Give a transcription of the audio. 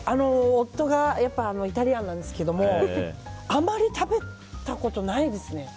夫がイタリアンなんですけどもあまり食べたことないですね。